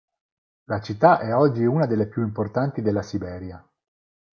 La città è oggi una delle più importanti della Siberia.